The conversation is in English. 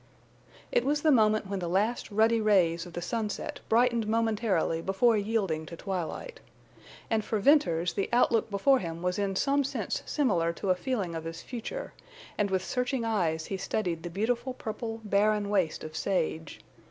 It was the moment when the last ruddy rays of the sunset brightened momentarily before yielding to twilight. And for Venters the outlook before him was in some sense similar to a feeling of his future, and with searching eyes he studied the beautiful purple, barren waste of sage.